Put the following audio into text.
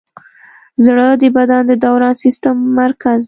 زړه د بدن د دوران سیسټم مرکز دی.